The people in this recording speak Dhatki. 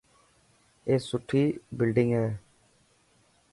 اي سٺي بلڊنگ هي.